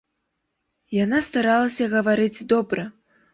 Яна старалася гаварыць добра.